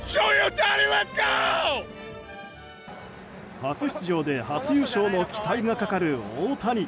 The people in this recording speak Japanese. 初出場で初優勝の期待がかかる大谷。